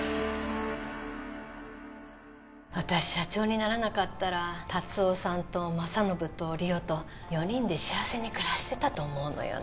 私社長にならなかったら達雄さんと政信と梨央と４人で幸せに暮らしてたと思うのよね